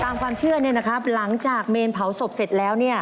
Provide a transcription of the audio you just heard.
ตามความเชื่อหลังจากเมนเผาศพเสร็จแล้ว